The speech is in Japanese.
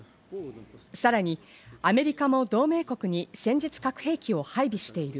さらにアメリカも同盟国に戦術核兵器を配備している。